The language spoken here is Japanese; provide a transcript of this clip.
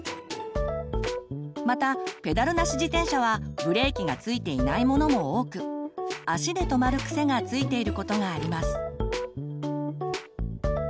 またペダルなし自転車はブレーキがついていないものも多く足で止まる癖がついていることがあります。